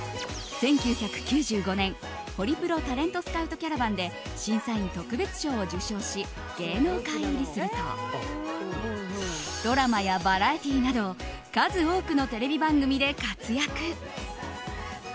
１９９５年、ホリプロタレントスカウトキャラバンで審査員特別賞を受賞し芸能界入りするとドラマやバラエティーなど数多くのテレビ番組で活躍。